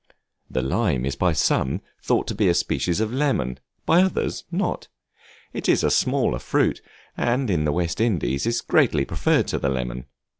The Lime is by some thought to be a species of lemon, by others not; it is a smaller fruit, and in the West Indies is greatly preferred to the lemon.